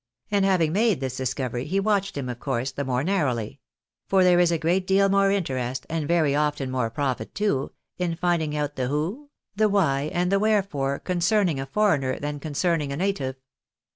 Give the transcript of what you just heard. And having made this discovery, he watched him, of course, the more narrowly ; for there is a great deal more interest, and very often more profit too, in finding out the who, the why, and the wherefore, concerning a foreigner than concerning a native.